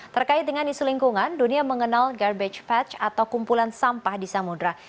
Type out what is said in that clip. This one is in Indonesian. terkait dengan isu lingkungan dunia mengenal garbage patch atau kumpulan sampah di samudera